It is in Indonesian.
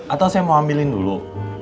atau saya mau ambilin dulu